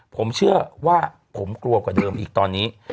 ผมเชื่อว่าผมกลัวกว่าเดิมอีกตอนนี้